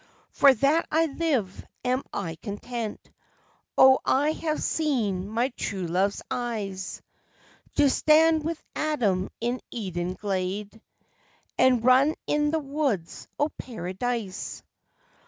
"For that I live am I content (Oh! I have seen my true love's eyes!) To stand wi' Adam in Eden glade, And run in the woods o' Paradise!"